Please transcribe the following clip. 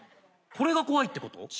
これが怖いってこと？